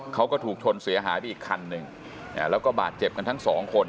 เขาก็ถูกชนเสียหายไปอีกคันหนึ่งแล้วก็บาดเจ็บกันทั้งสองคน